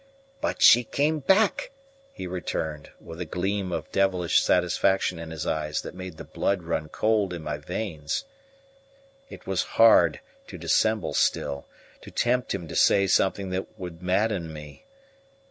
"But she came back!" he returned, with a gleam of devilish satisfaction in his eyes that made the blood run cold in my veins. It was hard to dissemble still, to tempt him to say something that would madden me!